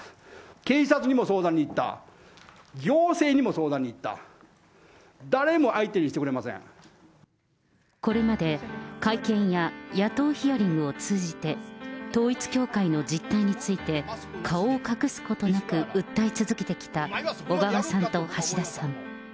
警察にも相談に行った、行政にも相談に行った、これまで、会見や野党ヒアリングを通じて、統一教会の実態について顔を隠すことなく訴え続けてきた、小川さんと橋田さん。